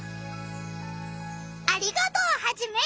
ありがとうハジメ！